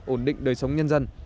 ổn định đời sống nhân dân